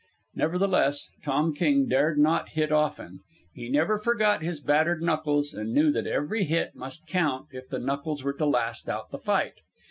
Nevertheless, Tom King dared not hit often. He never forgot his battered knuckles, and knew that every hit must count if the knuckles were to last out the fight.